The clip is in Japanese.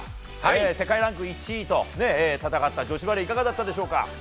世界ランク１位と戦った女子バレーいかがだったでしょうか？